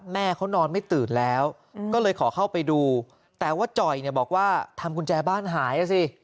แม่เขานอนไม่ตื่นแล้วก็เลยขอเข้าไปดูแต่ว่าจ่อยเนี่ยบอกว่าทำกุญแจบ้านหายนะสิ